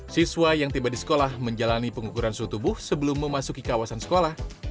siswa yang tiba di sekolah menjalani pengukuran suhu tubuh sebelum memasuki kawasan sekolah